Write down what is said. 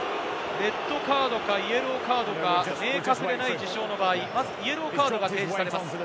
レッドカードか、イエローカードが明確でない事象の場合、まずイエローカードが提示されます。